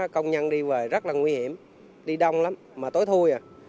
công nhân đi về rất là nguy hiểm đi đông lắm mà tối thui à